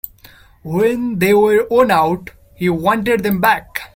When they were worn out, he wanted them back.